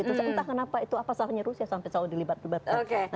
entah kenapa itu apa salahnya rusia sampai selalu dilibatkan